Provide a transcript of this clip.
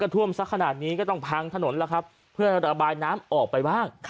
ท่วมสักขนาดนี้ก็ต้องพังถนนแล้วครับเพื่อระบายน้ำออกไปบ้าง